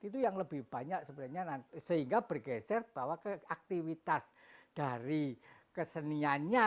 itu yang lebih banyak sebenarnya sehingga bergeser bahwa ke aktivitas dari keseniannya